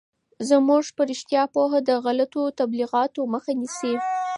زموږ په رشتیا پوهه د غلطو تبلیغاتو مخه نیسي.